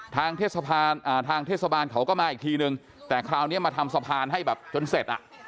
ทางเทศบาลเขาก็มาอีกทีนึงแต่คราวนี้มาทำสะพานให้แบบจนเสร็จอ่ะ